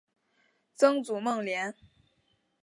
曾祖孟廉。